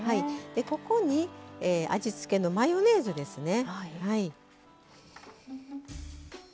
ここに味付けのマヨソースですね。